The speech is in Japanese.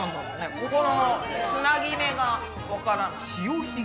ここのつなぎ目がわからない。